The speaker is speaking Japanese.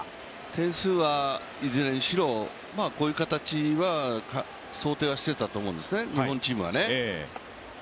点数はいずれにしろこういう形は想定はしてたと思うんですね、日本チームはね。